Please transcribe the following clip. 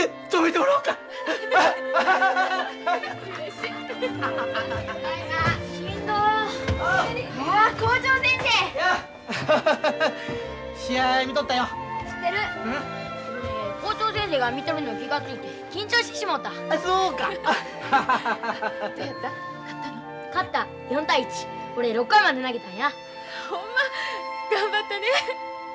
ほんま。頑張ったねえ。